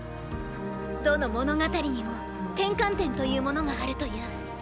どの物語にも転換点というものがあるという。